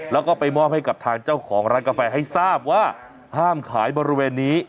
แล้วก็ไปมอบให้กับทางเจ้าของร้านกาแฟให้ทราบว่าห้ามขายบริเวณนี้